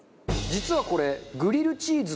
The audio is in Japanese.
そうこのグリルチーズ